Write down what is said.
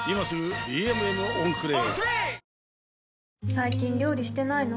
最近料理してないの？